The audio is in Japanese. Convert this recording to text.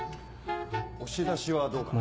押し出しはどうかな？